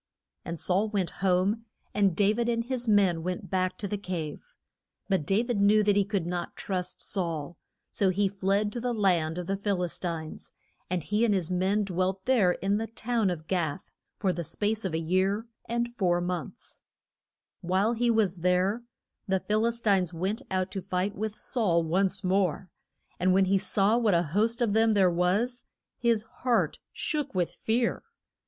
And Saul went home, and Da vid and his men went back to the cave. But Da vid knew that he could not trust Saul, so he fled to the land of the Phil is tines, and he and his men dwelt there in the town of Gath for the space of a year and four months. [Illustration: DA VID TAKES GO LI ATH'S SWORD.] While he was there, the Phil is tines went out to fight with Saul once more, and when he saw what a host of them there was, his heart shook with fear.